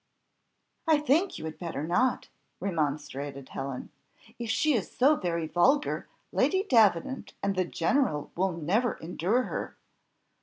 "I think you had better not," remonstrated Helen; "if she is so very vulgar, Lady Davenant and the general will never endure her."